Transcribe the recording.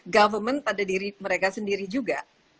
government pada diri mereka sendiri juga